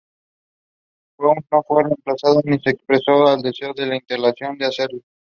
Bowden no fue reemplazado ni se expresó el deseo de la intención de hacerlo.